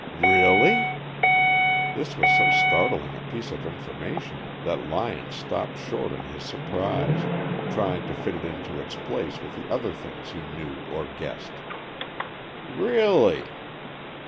"Really?" This was so startling a piece of information that Lyon stopped short in his surprise, trying to fit it into its place with the other things he knew or guessed. "Really!"